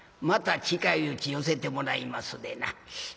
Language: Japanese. また近いうち寄せてもらいますでな」。